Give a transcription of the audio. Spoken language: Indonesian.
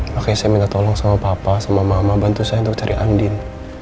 makanya saya minta tolong sama papa sama mama bantu saya untuk cari andin